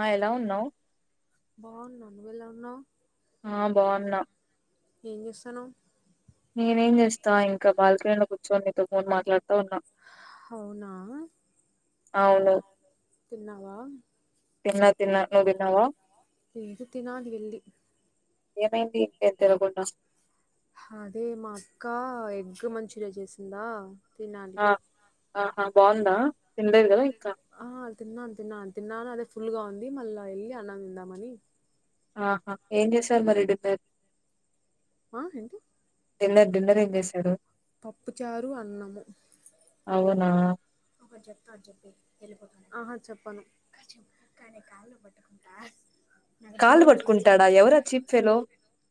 ఆ ఎలా ఉన్నావ్ బాగున్నా నువ్వేలా ఉన్నావ్ ఆ బాగున్నా ఏం చేస్తున్నావ్ నేనేం చేస్తా ఇంకా బాల్కనీలో కూర్చొని నీతో పోన్ మాట్లాడుతా ఉన్నా అవునా అవును తిన్నావా ఇంక తినాది వెళ్ళి ఏమైంది ఇంకేం తినకుండా అదే మా అక్క ఎగ్ మంచూరియా చేసిందా తినాలి ఆహా బాగుందా తినలేదు కదా ఇంకా ఫుల్గా ఉంది మళ్ళా ఎళ్ళి అన్నం తిందామని ఆహా ఏం చేశారు మరి డిన్నర్ ఆ ఏంటి పప్పుచారు అన్నము అవునా ఆహా చెప్పను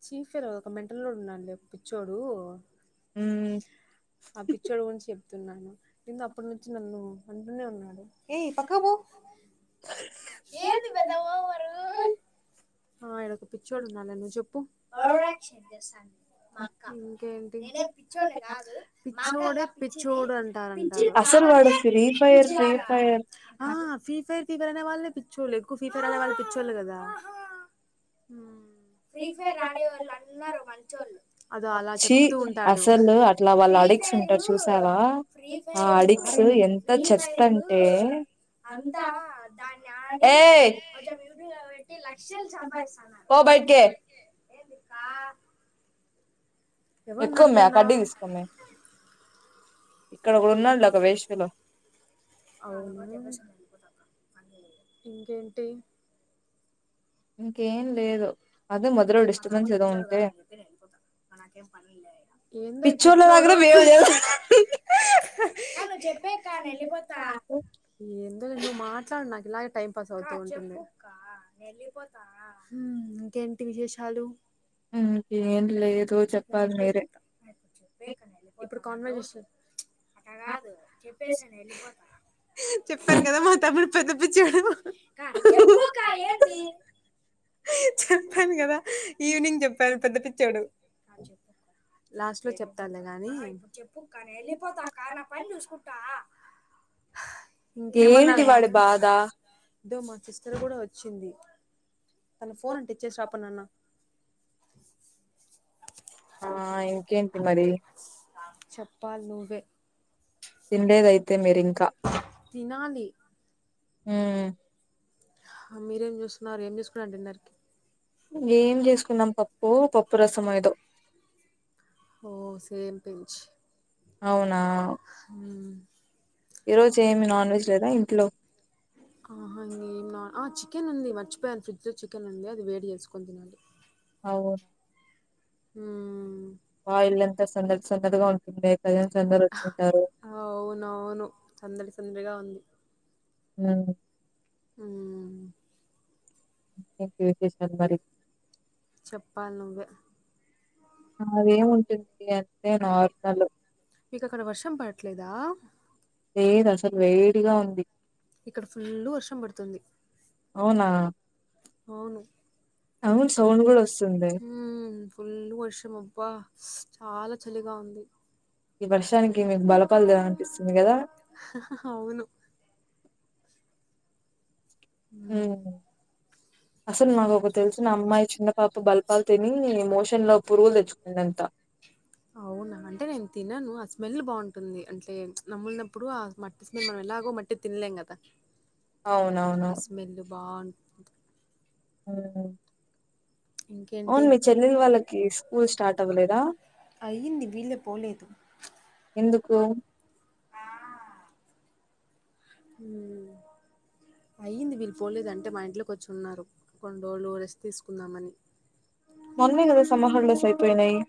చీప్ ఫేలో ఒక మెంటలోడు ఉన్నాడు లే పి చ్చోడు ఉమ్మ్ తున్నాను నిన్న అప్పటి నుంచి నన్ను అంటూనే ఉన్నాడు ఏయ్ పక్కకిపో [unintelligible] ఆ ఇడ ఒక పిచ్చోడు ఉన్నాడులే నువ్వు చెప్పు ఇంకేంటి పిచ్చోడే పిచ్చోడు అంటారాంటరు ఆ ఫ్రీ ఫైర్ ఫ్రీ ఫైర్ అనే వాళ్ళనే పి చ్చోలు ఎక్కువ ఫీఫెర్ ఆడే వాళ్ళు పిచ్చోళు కదా ఫ్రీ ఫైర్ ఆడేవాళ్ళు అన్నారు మంచోళ్ళు అదే అలా చెప్తూ ఉంటాడు అడిక్స్ ఉంటారు చూసావా ఆ అడిక్స్ ఎంత చెత్తంటే అంతా దాన్ని ఆడి ఏయ్ కోంచం [unintelligible] ఎక్కువ మే కడ్డీ తీసుకోమే ఇక్కడ ఒక ఉన్నాడులే ఒక వేస్ట్ ఫెలో అవున ఇంకేంటి [inaudible] ఏందో ఇ పిచ్చోడు ఎందోలే నువ్వు మాట్లాడు నాకు ఇలాగే టైం పాస్ అవుతూ ఉంటుంది ఇంకేంటి విశేషాలు [unintelligible] లస్ట్ లో చెప్తా ఇప్పుడు కాన్వర్సేషన్ చెప్పాను కదా మా తమ్ముడు పెద్ద పచ్చోడు చెప్పుక్క ఏంది చేపాను కదా ఈవినింగ్ చెప్పను పెద్ద పిచ్చోడు లాస్ట్ లో చెప్తాలే గాని చెప్పుక్క న వెళ్ళిపోతాక్క నా పని చూసుకుంటా ఇంకేమన్నారు సార్ ఇద్దో మా సిస్టర్ కూడ వచ్చింది తన ఫోన్ అంట ఇచ్చేసి రపోనన్న ఆ ఇంకేంటి మరి చెప్పాలి నువ్వే తినలేదు అయితే మీరింక హు మీరేం చేస్తున్నారు ఏం చూసుకున్నరు డిన్నర్ కి ఏం చేసుకున్నాం పప్పు పప్పు రసం ఏదో ఓ సేమ్ పీంచ్ [unintelligible] హు ఈ రోజు ఏమి నాన్ వె ఆహా ఏం న ఆ చికెన్ ఉంది మర్చిపోయ సో చికెన్ ఉంది అది వేడి చేసుకొని తినాలి అవు హు ఆ ఇల్లంతా సందడి సందడి గా ఉంటుంది పేరెంట్స్ అందరూ వచ్చుంటారు [unintelligible] ఉ హు [unintelligible] విశేషలు మరి చెప్పాలి నువ్వే నాదేముంటుంది అంతే నార్నల్ మీక అక్కడ వర్షం పడట్లేద లేదు అసలు వేడిగా ఉంది ఇక్కడ ఫుల్లు వర్షం పడుతుంది అవునా అవును అవును సౌండ్ కూడ ఒస్తుంది అబ్బా చాలా చలిగా ఉంది ఈ వర్షానికి మీకు బలపాలు దినాలి అనిపిస్తుంది గదా ఉమ్ అసలు నాకు ఒక దెలిసినా అమ్మాయి చిన్న పాప బల్పాలు తిని మోషన్ లో పురుగులు తెచ్చుకుందంట [inaudible] అవునా అంటే నేను తినను ఆ స్మెల్ బాగుంటుంది అంటే నమ్ములినప్పుడు ఆ మట్టి స్మెల్ మనం ఎలాగో మట్టి తినలేం గదా [inaudible] ఆ స్మెల్ బాగుం ఉమ్ అవును మీ చెల్లెలు వాళ్ళకి స్కూల్ స్టార్ట్ అవ్వలేదా అయ్యింది వీళ్ళె పోలేదు ఎందుకు ఉమ్ [inaudible] అయ్యింది వీళ్ళు పోలేదు అంటే మా ఇంట్లోకి వచ్చి ఉన్నారు కొన్ని రోజులు రెస్ట్ తీసుకుందామని మొన్ననే గదా సమ్మర్ హాలిడేస్ అయిపోయినయి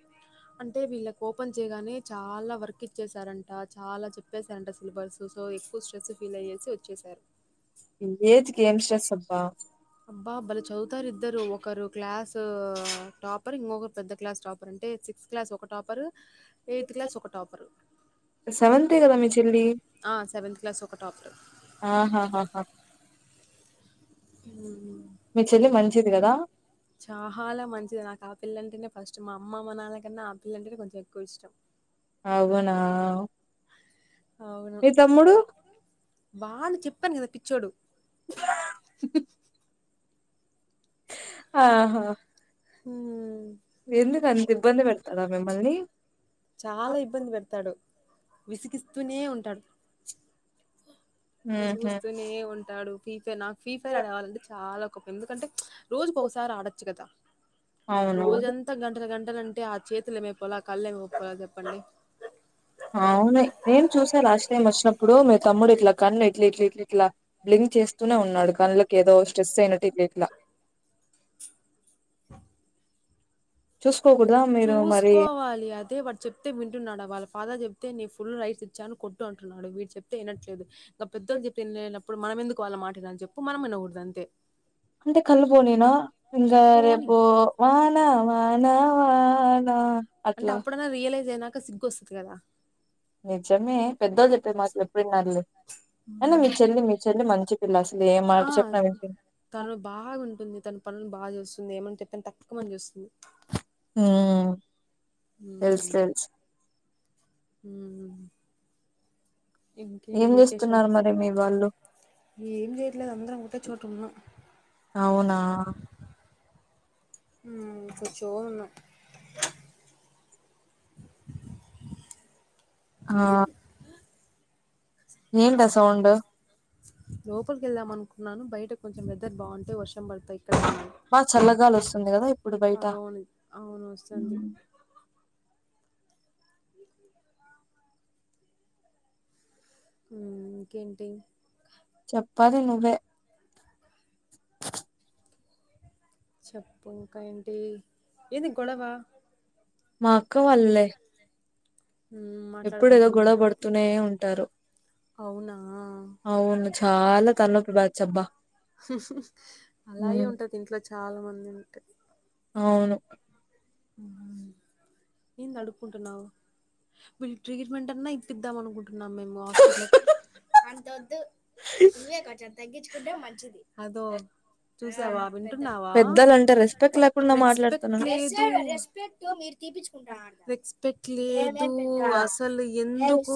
అంటే వీళ్ళకి ఓపెన్ చేయగానే చాలా వర్క్ ఇచ్చేసారంట చాలా చెప్పసారంట సిలబస్ సో ఎక్కువ స్ట్రెస్ ఫీల్ అయ్యేసి వచ్చేసారు ఇం ఏజ్ అబ్బా భలే చదువుతారు ఇద్దరు ఒకరు క్లాసు టాప్ ర్ ఇంగొగరు పెద్ద క్లాస్ టాపర్ అంటే సిక్స్త్ క్లాస్ ఒక టాపర్ ఎయిత్ క్లాస్ ఒక టాపరు ఆ సెవెన్త్ క్లాస్ ఒ ఒక టాక్టర్ ఆహా హా హా ఉమ్ చాలా మంచిది నాకు ఆ పిల్లంటేనే ఫస్ట్ మా అమ్మ మా నాన్న కన్నా అపిల్ల అంటే కొంచెం ఎక్కువ ఇష్టం అవునా అవును వాళ్ళు చెప్పాను కదా పిచ్చోడు [inaudible] ఆహా హుమ్ ఎందుకు అంత ఇబ్బంది పెడతాడా మిమ్మల్ని విసిగిస్తూనే ఉంటాడు విసుగుస్తూనే ఉం టాడు ఫీ ఫైర్ నాకు ఫీ ఫైర్ ఆడేవాళ్ళంటే చాలా కోపం ఎందుకంటే రోజుకి ఒకసారి ఆడొచ్చు గదా రోజంతా గంటలుగం టలంటే ఆ చేతులు ఏమై పోవాలా ఆ కళ్ళు ఏమైపోవాలా చెప్పండి అవును నేను చూసా లాస్ట్ టైమ్ వచ్చినప్పుడు మీ తమ్ముడు ఇట్లా కన్ను ఇట్ల్ ఇట్ల్ ఇట్ల్ ఇట్లా బ్లిం క్ చేస్తూనే ఉన్నాడు కండ్లకి ఏదో స్ట్రెస్ అయినట్టు ఇట్ల్ ఇట్లా [inaudible] చూసుకోవాలి అదే వాడు చెప్తే వింటున్నాడు వాళ్ళ ఫాదర్ చెప్ తే నీ ఫుల్ రైట్స్ ఇచ్చాను కొట్టు అంటున్నాడు వీడు చెప్తే ఇనట్లేదు ఇంగ పెద్దళ్ళు చెప్పితే ఇనలేనప్పుడు మనం ఎందుకు వాళ్ళ మాట ఇనాలి చెప్పు మనం ఇనగూడదు అంతే అంటే కళ్ళు బోనీనా ఇంగా రేపు వానా వానా నానా అట్లా క సిగ్గొస్తొద్ గదా నిజమే పెద్దోళ్ జెప్పే మాట లెప్పుడిన్నార్లే కాని మీ చెల్లి మీ చెల్లి మంచి పిల్ల అసలే మాట చెప్పిన వినిపిన్ తను బాగుంటుంది తన పనులను బాగా చేస్తుంది ఏమంటే తన్ తక్కువని జూస్తుంది మ్మ్ తెల్స్ తెల్స్ మ్మ్ ఏం చేస్తున్నారు మరి మీ వాళ్ళు ఏం జెయట్లేదు అందరం ఒకేచోటున్నం అవునా మ్మ్ సుచ్చోను ఆ ఏందా సౌండు లోపలికెళ్దాం అనుకున్నాను బయట కొంచెం వెదర్ బాగుంటే వర్ష్ బడితే ఇక్కడే ఉన్నా ఇప్పుడు బయట ఇ మ్మ్ ఇంకేంటి చెప్పాలి నువ్వే చెప్పు ఇంకా ఏంటీ ఏంది గొడవా ఎప్పుడేదో గొడవ బడుతూనే ఉంటారు అవును చాలా తల్నొప్పి బ్యాచ్చబ్బా అలాగే ఉంటది ఇంట్లో చాల మంది ఉంటే అవును ఏందక్కుంటున్నావు వీళ్ళ ట్రీట్మెంట్ అన్నా ఇపిద్దాం అనుకుంట్ అంత్తొద్దు ఇవే కొంచం తగ్గించుకుంటే మంచిది అదో చూసావా వింటున్నావా రెస్పెక్ట్లీ రెస్పెక్ట్ లేదు అసలు ఎందుకు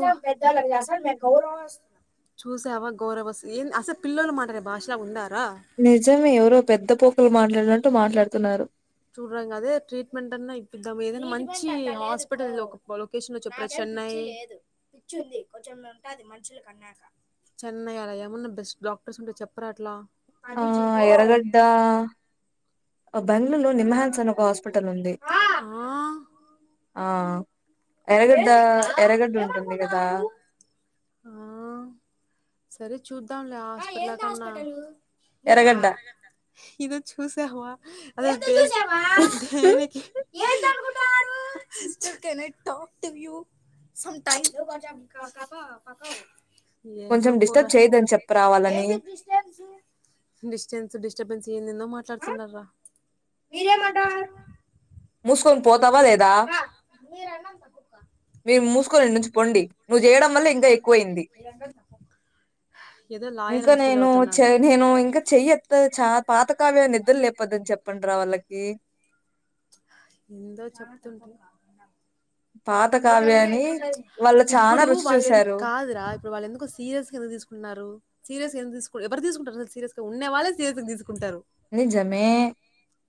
చూసావా గౌరవస్ ఏన్ అసలు పిల్లోలు మాటాడే భాష్ నిజమే ఎవురో పెద్ద పోకులు మాట్లాడినట్టు మాట్లాడుతున్నారు చూడ్రంగదే ట్రీట్మెంట్ అన్నా ఇప్పిద్దాం ఏదైనా మంచి హాస్పిటల్ ఒక ఓ లొకేషన్ లో చెప్పురా చెన్నై చెన్నై అలా ఏమన్నా బెస్ట్ డాక్టర్స్ ఉంటే చెప్పరా అట్లా ఆ ఎరగడ్డా బెంగళూరు లో నిమ్హాన్స్ అని ఒక హాస్పిటల్ ఉంది ఆ ఎరగడ్డ ఎరగడ్డ ఉంటుంది గదా సరే చూద్దాంలే హాస్పిటల్ కన్నా ఇదో చూసావా అదే దేనికి సాఫ్ట్ వ్యూ సమ్ టైమ్ ఏంటో డిస్టెన్స్ డిస్టర్బెన్స్ ఏందేదో మాట్లాడుతున్నార్రా నీగేమట ముూసుకొని పోతావా లేదా మీరు మూసుకోండి నుూసుకోండి నువ్వు చేయడం వల్ల ఇది అయిపోయింది ఇంకా నేను చె నేను ఇంకా చెయ్యత్త చ పాత కావ్య నిద్ర లేపోద్దని చెప్ప ఆండ్ర వాళ్ళకి ఎందో చెప్తుంటి ఇబ్బుడు వాళ్లేన్ కాదురా ఇప్పుడు వాళ్ళు ఎందుకో సీరియస్ గా తీసుకున్నారు సీరియస్గా ఎందు తీస్ ఎవరు తీసుకుంటారు అ సీరియస్ తో ఉన్నే వాళ్ళే చేతకు తీసుకుంటారు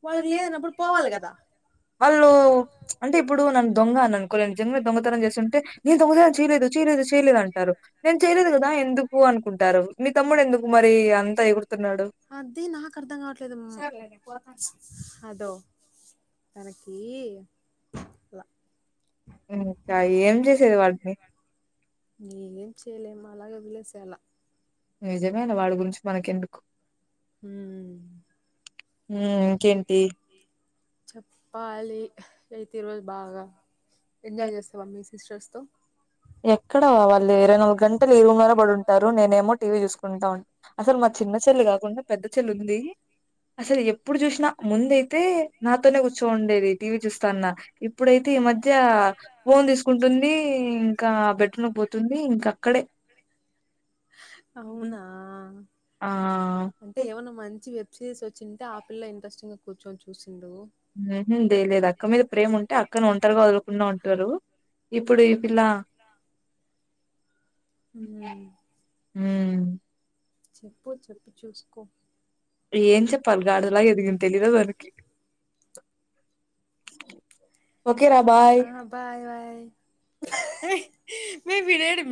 వాళ్ళకి లేదన్నప్పుడు పోవాలి కదా వాళ్ళు అంటే ఇప్పుడు నన్ను దొంగ అన్నారు అనుకోలేని నేన్ నిజంగా దొంగతనం చేసుంటే నేను దొంగతనం చేయలేదుచ్ తీరా చూసి చేయలేదు అంటారు నేను చేయలేదు కదా ఎందుకు అనుకుంటారు మీ తమ్ముడు ఎందుకు మరి అంతా ఎగురు అదీ నాకు అర్ధం కావట్లేదు అదో తనకి లా ఇంకా ఏం చేసేది వాడిని ఏం చేయలేం అలాగే వదిలేశాయల్లా నిజమేలే వాడి గురించి మనకెందుకు మ్మ్ మ్మ్ ఇంకేంటి చెప్పాలి అయితే ఈరోజు బాగా ఎంజాయ్ చేస్తావా మీ సిస్టర్స్ తో ఎక్కడ వాళ్ళు ఇరవై నాలుగు గంటలు ఈ రూమ్లోనే పడి ఉంటారు నేనేమో టీవీ చూసుకుంటా అసలు మ చిన్న సెల్లు కాకుండా పెద్ద చెల్లు ఉంది అసలు ఎప్పు ఎప్పుడు చూసిన ముందయితే నాతోనే కూర్చోండేది టీవీ చూస్తాన్న ఇప్పుడైతే ఈ మధ్య ఫోన్ తీసుకుంటుంది ఇంకా బెడ్రూమ్కి పోతుంది ఇంకా అక్కడే ఆ మంచి వెబ్ సిరీస్ వచ్చింటే ఆపిల్ల్లో ఇంట్రెస్ట్ గా కూర్చొని చూసి నేనే లేయలేదు అక్క మీద ప్రేమ ఉంటే అక్కను ఒంటరుగా వదులుకుడా ఉంటారు ఇప్పుడు ఈ పిల్ల మ్మ్ చెప్పు చెప్పి చూసుకో ఏం చెప్పాలి గాడిదలా ఎదిగింటే తెలీదు మనకి ఆ బాయ్ బయ్ మే వీడు ఏడమ్మే